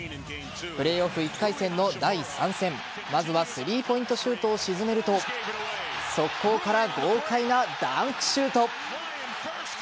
プレーオフ１回戦の第３戦まずはスリーポイントシュートを沈めると速攻から豪快なダンクシュート。